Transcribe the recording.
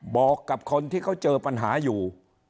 บอกกับคนที่เขาเจอปัญหาอยู่